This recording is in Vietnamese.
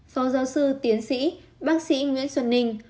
phó giáo sư tiến sĩ bác sĩ nguyễn xuân ninh